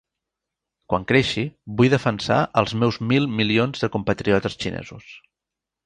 Quan creixi, vull defensar els meus mil milions de compatriotes xinesos.